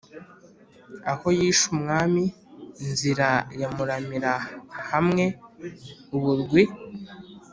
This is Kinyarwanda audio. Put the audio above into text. aho yishe umwami nzira ya muramira hamweu burwi